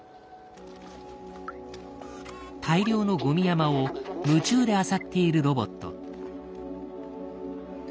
大量のゴミ山を夢中であさっているロボット。